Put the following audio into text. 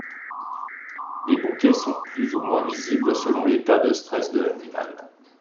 Les bouquets sont plus ou moins visibles selon l'état de stress de l'animal.